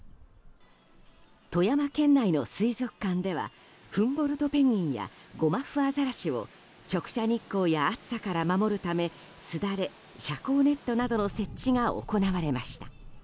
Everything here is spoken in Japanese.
富山県内の水族館ではフンボルトペンギンやゴマフアザラシを直射日光や暑さから守るためすだれ、遮光ネットなどの設置が行われました。